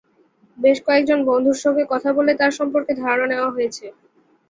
বেশ কয়েকজন বন্ধুর সঙ্গে কথা বলে তাঁর সম্পর্কে ধারণা নেওয়া হয়েছে।